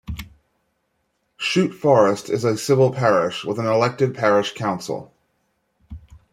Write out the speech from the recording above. Chute Forest is a civil parish with an elected parish council.